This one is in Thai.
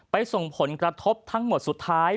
ส่งผลกระทบทั้งหมดสุดท้าย